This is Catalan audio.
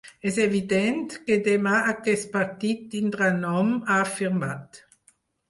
És evident que demà aquest partit tindrà nom, ha afirmat.